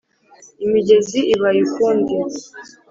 imigezi ibaye ukundi